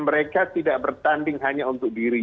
mereka tidak bertanding hanya untuk diri